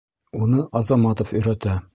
Уны Азаматов өйрәтә